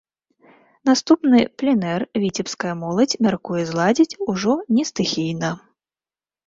Наступны пленэр віцебская моладзь мяркуе зладзіць ужо не стыхійна.